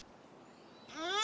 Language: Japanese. うん。